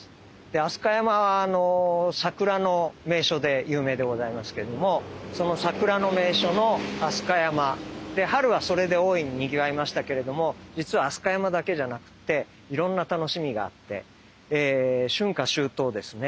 で飛鳥山は桜の名所で有名でございますけれどもその桜の名所の飛鳥山。で春はそれで大いににぎわいましたけれども実は飛鳥山だけじゃなくていろんな楽しみがあって春夏秋冬ですね